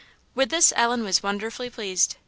With this Ellen was wonderfully pleased.